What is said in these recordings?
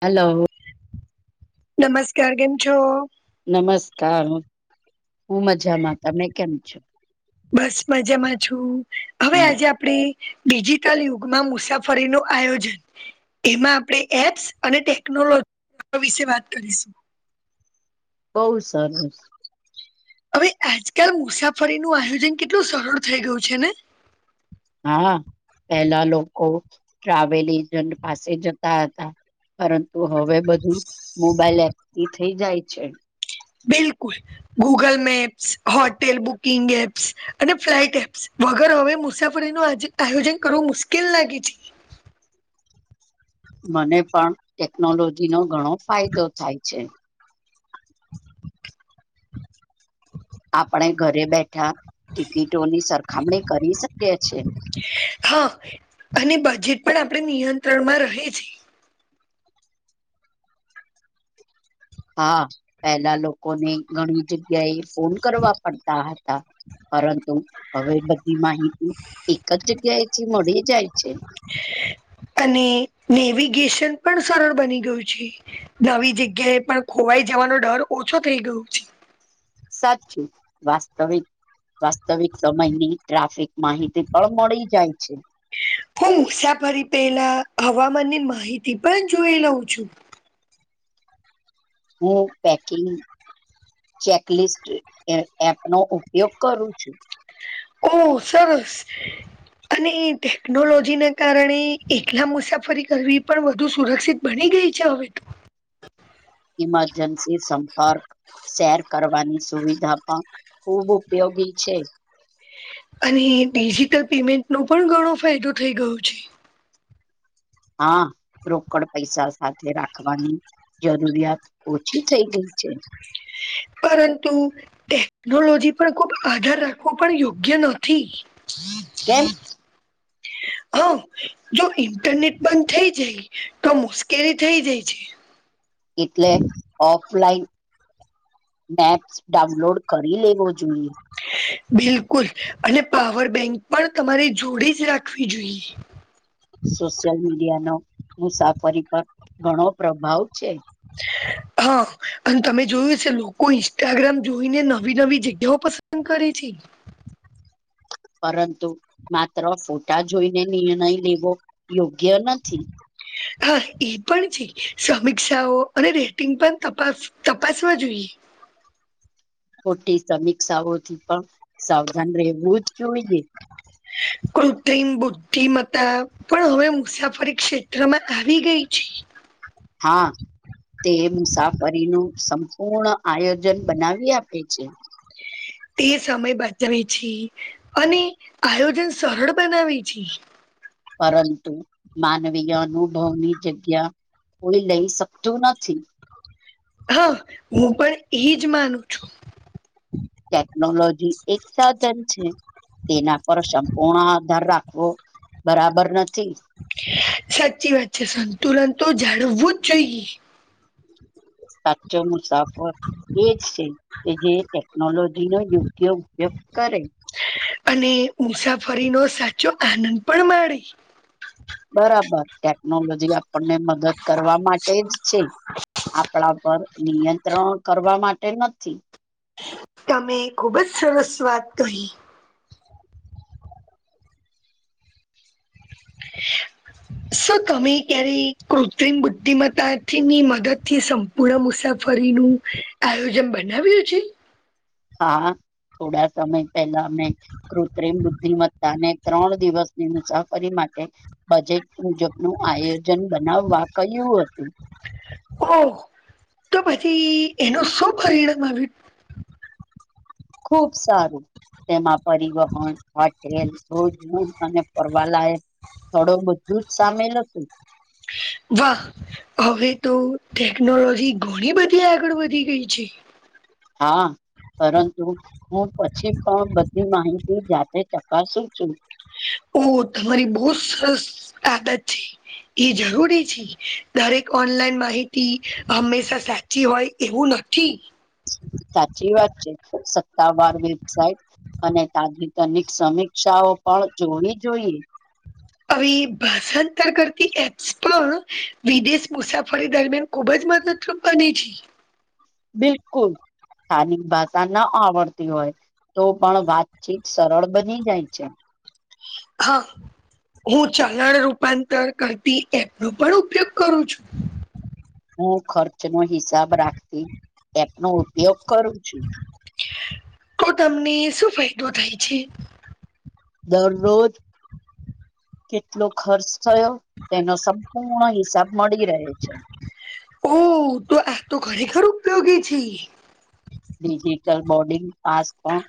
Hello નમસ્કાર. કેમ છો? નમસ્કાર. હું મજામાં તમે કેમ છો? બસ મજામાં છું. હવે હમ આજે આપ આપણે ડિજિટલ યુગમાં મુસાફરીનું આયોજન એમાં આપણે એપ્સ અને ટેકનોલોજી વિશે વાત કરીશું. બહુ સરસ. હવે આજકલ મુસાફરી નું આયોજન કેટલું સરળ થઈ ગયું છે ને? હા પેલા લોકો ટ્રાવેલ એજન્ટ પાસે જતા હતા. પરંતુ હવે બધું મોબાઈલ એપથી થઈ જાય છે. બિલકુલ. Google maps, hotel booking apps અને ફ્લાઇટ એપ્સ. વગર હવે મુસાફરીનું આજે આયોજન કરવું મુશ્કેલ લાગે છે. મને પણ ટેકનોલોજીનો ઘણો ફાયદો થાય છે. [inaudible] આપણે ઘરે બેઠા ટિકિટોની સરખામણી કરી શકીએ છીએ. હહ અને બજેટ પણ આપણે નિયંત્રણમાં રહે છે. હા પહેલા લોકોને ઘણી જગ્યાએ ફોન કરવા પડતા હતા. પરંતુ હવે બધી માહિતી એક જ જગ્યાએથી મળી જાય છે. અને નેવિગેશન પણ સરળ બની ગયું છે. નવી જગ્યાએ પણ ખોવાઈ જવાનો ડર ઓછો થઇ ગયો છે. સાચું. વાસ્તવિક વાસ્તવિક સમયની ટ્રાફિક માહિતી પણ મળી જાય છે. હું મુસાફરી પહેલા હવામાનની માહિતી પણ જોઈ લઉં છું. હું પેકિંગ ચેકલિસ્ટ એ એપનો ઉપયોગ કરું છું. ઓહ! સરસ અને એ ટેકનોલોજીને કારણે એકલા મુસાફરી કરવી પણ વધુ સુરક્ષિત બની ગઈ છે હવે તો. ઈમરજન્સી સંપર્ક શેર કરવાની સુવિધા પણ ખુબ ઉપયોગી છે. અને ડિજિટલ પેમેન્ટનો પણ ઘણો ફાયદો થઈ ગયો છે. હા રોકડ પૈસા સાથે રાખવાની. જરૂરિયાત ઓછી થઈ ગઈ છે. પરંતુ ટેકનોલોજી પણ ખુબ આધાર રાખવો પણ યોગ્ય નથી. હી [unintelligible] કેમ હા જો ઇન્ટરનેટ બંધ થઇ જાય તો, મુશ્કેલી થઇ જાય છે. એટલે ઓફલાઈન મેપ્સ ડાઉનલોડ કરી લેવો જોઈએ. બિલકુલ. અને પાવર બેંક પણ તમારે જોડે જ રાખવી જોઈએ. સોશિયલ મીડિયાનો મુસાફરી પર ઘણો પ્રભાવ છે. હ [unintelligible] હા અને તમે જોયું હ છે લોકો ઇન્સ્ટાગ્રામ જોઈને નવી નવી જગ્યાઓ પસંદ કરે છે પરંતુ માત્ર ફોટા જોઈને નિર્ણય લેવો યોગ્ય નથી [inaudible] હા એ પણ છે સમીક્ષાઓ અને રેટિંગ પણ તપાસ તપાસવા જોઈએ ખટી સમીક્ષાઓથી પણ સાવધાન રહેવું જ જોઈએ કૃત્રિમ બુદ્ધિમત્તા પણ હવે મુસાફરી ક્ષેત્રમાં આવી ગઈ છે હા તે મુસાફરીનું સંપૂર્ણ આયોજન બનાવી આપે છે તે સમય બતાવે છે અને આયોજન સરળ બનાવે છે પરંતુ માનવીય અનુભવની જગ્યા કોઈ લઈ શકતું નથી હા હું પણ એજ માનું છું ટેકનોલોજી એક સાધન છે તેના પર સંપૂર્ણ આધાર રાખવો બરાબર નથી સાચી વાત છે સંતુલન તો જાણવવું જ જોઈએ સાચો એજ છે કે જે ટેકનોલોજી નો યોગ્ય ઉપયોગ કરે અને મુસાફરી ન સાચો આનંદ પણ માળે બરાબર ટેકનોલોજી આપ આપણને મદદ કરવા માટે જ છે આપણા પર નિયંત્રણ કરવા માટે નથી તમે ખુબ જ સરસ વાત કહી [inaudible] સર તમે ક્યારે કૃત્રિમ બુદ્ધિમત્તાથી ની મદદ થી પુણા મુસાફરીનું આયોજન બનાવ્યું છે હા થોડા સમય પેહેલા અમે કૃત્રિમ બુદ્ધિમત્તાને ત્રણ દિવસની મુસાફરી માટે બજેટ મુજબ નું આયોજન બનાવવા કહ્યું હતું ઓ તો પછી એનું શું પરિણામ આવ્યું ખુબ સારું તેમાં પરિવહન હોટેલ રોજ અને ફવાલાય થોડો બધું જ સામેલ હતું વાહ હવે તો ટેકનોલોજી ઘણી બધી આગળ વધી ગઈ છે હા પરંતુ હું પછી પણ બધી માહિતી જાતે ચક ક શું છું ઓ તમારી બહુ સરસ આદત છે એ જરૂરી છે દરેક ઓનલાઈન માહિતી હંમેશા સાચી હોય એવું નથી સાચી વાત છે સત્તાવાર વેબસાઇટ અને તાજેતરનીક સમીક્ષાઓ પણ જોવી જોઈએ હવે ભાષાંતર કરતી એપ્સ પણ વિદેશ મુસાફરી દરમિયાન ખુબ જ મદદરૂપ બને છે બિલકુલ સ્થાનિક ભાષા ના આવડતી હોય તો પણ વાતચીત સરળ બની જાય છે હા હું ચલણ રૂપાંતર કરતી એપ નો પણ ઉપયોગ કરું છું હું ખર્ચ નો હિસાબ રાખતી એપ નો ઉપયોગ કરું છું તો તમને શું ફાયદો થાય છે દરરોજ કેટલો ખર્ચ થયો તેનો સંપૂર્ણ હિસાબ મળી રહે છે ઓહ તું આ તો ખરેખર ઉપયોગી છે. ડિજિટલ બોર્ડિંગ પાસ પણ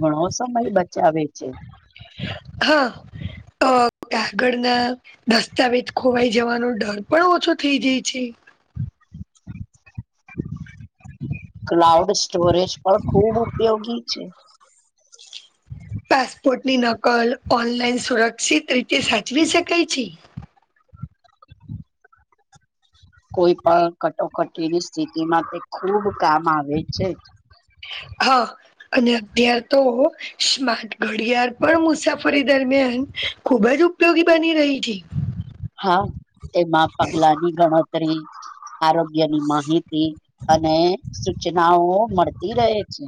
ઘણો સમય બચાવે છે. હા, અહ આગળ ના દસ્તાવેજ ખોવાઈ જવાનો ડર પણ ઓછો થઈ જાય છે. ક્લાઉડ સ્ટોરેજ પણ ખુબ ઉપયોગી છે. પાસપોર્ટ ની નકલ ઓનલાઈન સુરક્ષિત રીતે સાચવી શકાય છે. કોઈ પણ કટોકટીની સ્થિતિ માં તે ખુબ કામ આવે છે. હા અને ત્યારે તો સ્માર્ટ ઘડિયાળ પણ મુસાફરી દરમિયાન ખુબ જ ઉપયોગી બની રહી છે. હા, તેમાં પગલાની ગણતરી આરોગ્યની માહિતી અને સૂચનાઓ મળતી રહે છે.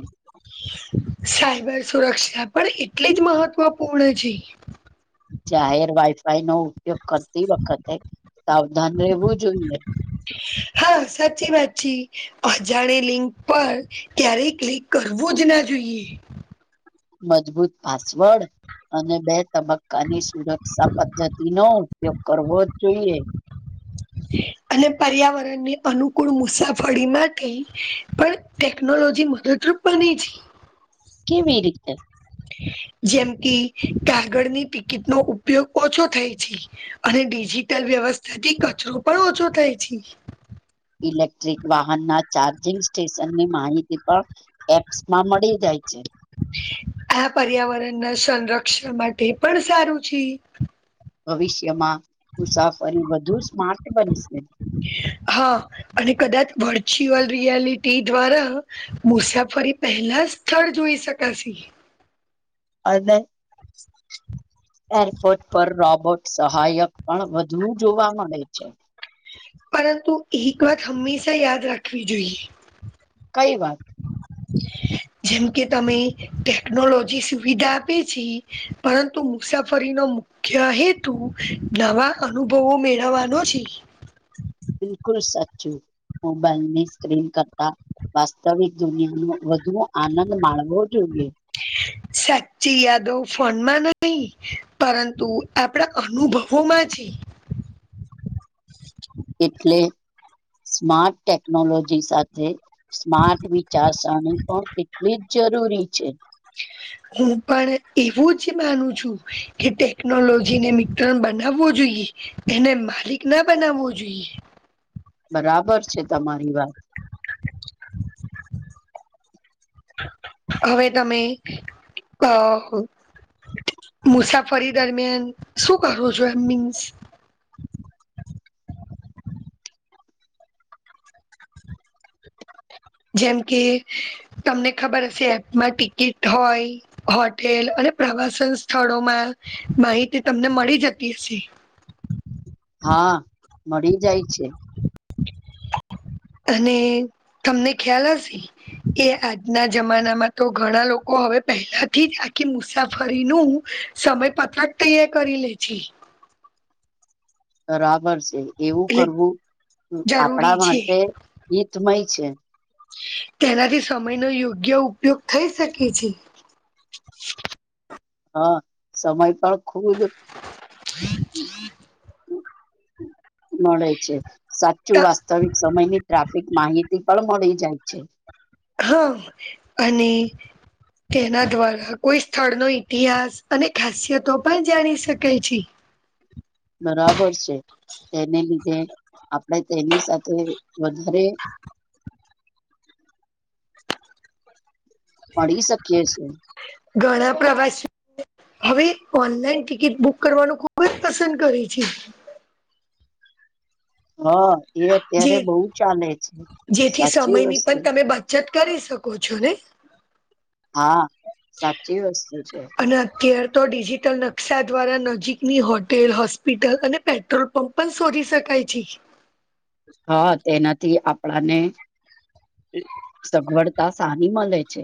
સાયબર સુરક્ષા પણ એટલી જ મહત્વપૂર્ણ છે. જાહેર વાઈફાઈ નો ઉપયોગ કરતી વખતે સાવધાન રહેેવું જોઈએ. હા, સાચી વાત છી. અજાણે લિંક પર ક્યારેય ક્લિક કરવું જ ના જોઈએ. મજબૂત પાસવર્ડ અને બે તબક્કાની સુરક્ષા પદ્ધતિ નો ઉપયોગ કરવો જ જોઈએ. અને પર્યાવરણની અનુકૂળ મુસાફરી માટે પણ ટેકનોલોજી મદદરૂપ બની છી. કેવી રીતે? જેમ કે કાગળની ટિકિટ નો ઉપયોગ ઓછો થાય છી અને ડિજિટલ વ્યવસ્થા થી કચરો પણ ઓછો થાય છી. ઇલેક્ટ્રિક વાહન ના ચાર્જિંગ સ્ટેશન ની માહિતી પણ એપ્સ માં મળી જાય છે. આ પર્યાવરણ ના સંરક્ષણ માટે પણ સારું છી. ભવિષ્યમાં મુસાફરી વધુ સ્માર્ટ બનશે. હા, અને કદાચ વર્ચ્યુઅલ રિયાલટી દ્વારા મુસાફરી પહેલા સ્થળ જોઈ શકાશી. અને એરપોર્ટ પર રોબોર્ટ સહાયક પણ વધુ જોવા મળે છે. પરંતુ એક વાત હંમેશા યાદ રાખવી જોઈએ. કઈ વાત? [unintelligible] જેમકે તમે ટેકનોલોજી સુવિધા આપે છી પરંતુ મુસાફરીનો મુ ખ્યા હેતું નવા અનુભવો મેળવવાનો છે. બિલકુલ સચું મોબાઈલની સ્ક્રીન કરતા વાસ્તવિક દુનિયા નો વધુ આનંદ માણવો જોઈએ. [unintelligible] સાચી યાદો ફોનમાં નહી પરંતુ આપડા અનુભવો માં છે. એટલે સ્માર્ટ ટેકનોલોજી સાથે સ્માર્ટ વિચારસરણી પણ કેટલી જ જરૂરી છે. હું પણ એવું જ માનું છું કે ટેકનોલોજીને મિત્રણ બનાવવો જોઈએ. એને માલિક ના બનાવો જોઈએ. બરાબર છે, તમારી વાત. હવે તમે કા હો મુસાફરી દરમિયાન શું કરો છો એમ મીન્સ [unintelligible] જેમ કે તમને ખબર હશે એપમાં ટિકિટ હોય હોટેલ અને પ્રવાસન સ્થળોમાં માહિતી તમને મળી જતી હશે. હા, મળી જાય છે. અને તમને ખ્યાલ આવી એ આજના જમાનામાં તો ઘણા લોકો હવે પહેલાથી જ આખી મુસાફરીનું સમય પથક ત્યાર કરી લે છે, બરાબર છે એવું એટલે કરવું જરૂરી આપણા છે માટે હિતમય છે, તેનાથી સમય નો યોગ્ય ઉપયોગ થઈ શકે છે હા સમય પણ ખુબ જ મળે છે સાચું છે વાસ્તવિક સમયની ટ્રાફ માહિતી પણ મળી જાય છે. હા અને તેના દ્વારા કોઈ સ્થળ નો ઇતિહાસ અને ખાસિયતો પણ જાણી શકે છે. બરાબર છે તેને લીધે આપડે તેની સાથે વધારે મળી શકીએ છીએ. ઘણા પ્રવાસીઓ હવે ઓનલાઈન ટિકિટ બુક કરવાનું ખુબ જ પસંદ કરે છે. હા એ જે અત્યારે બહુ ચાલે છે. સાચી વસ્તુ ચેક કરી શકો છો ને હા સાચી વસ્તુ છે. અને અત્યાર તો ડિજીિટલ નકશા દ્વારા નજીકની હોટેલ, હોસ્પિટલ અને પેટ્રોલ પંપ પણ શોધી શકાય છે. હા તેનાથી આપણાને સગવડતા સારી મળે છે.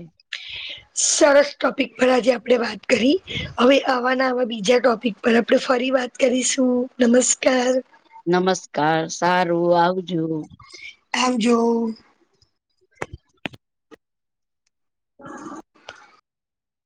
હ સરસ ટોપિક પર આજે આપણે વાત કરી હવે આવાને આવા બીજા ટોપિક પર આપણે ફરી વાત કરીશુ નમસ્કાર નમસ્કાર સારું આવજો. આવજો હા